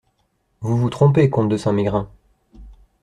Vous vous trompez, comte de Saint-Mégrin.